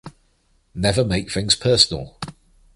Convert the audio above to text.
Never make things personal.